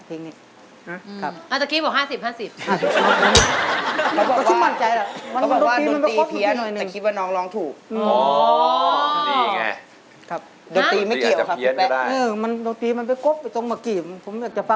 คนดีไม่มีพิษไม่มีภัย